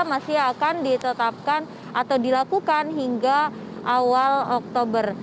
masih akan ditetapkan atau dilakukan hingga awal oktober